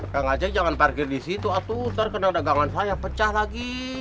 kang ajeng jangan parkir di situ atu ntar kena dagangan saya pecah lagi